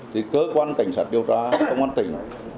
thì cơ quan cảnh sát điều tra công an tỉnh